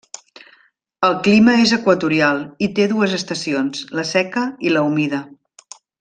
El clima és equatorial i té dues estacions: la seca i la humida.